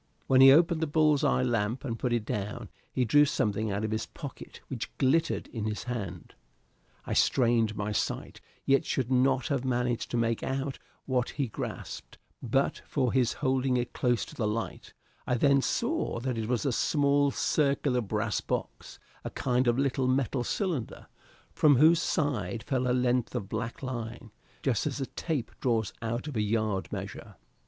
When he opened the bull's eye lamp and put it down, he drew something out of his pocket which glittered in his hand. I strained my sight, yet should not have managed to make out what he grasped but for his holding it close to the light; I then saw that it was a small circular brass box; a kind of little metal cylinder, from whose side fell a length of black line, just as tape draws out of a yard measure.